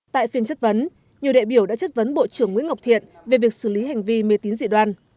tại phiên chất vấn nhiều đại biểu đã chất vấn bộ trưởng nguyễn ngọc thiện về việc xử lý hành vi mê tín dị đoan